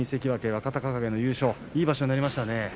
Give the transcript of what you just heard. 若隆景の優勝決定、いい場所になりましたね。